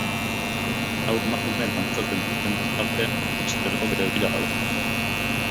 Lau emakume dantzatzen duten bitartean beste lau begira daude.